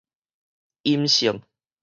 陰性